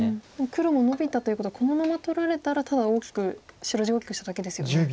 黒もノビたということはこのまま取られたらただ大きく白地を大きくしただけですよね。